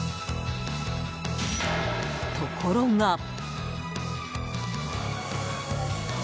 ところが。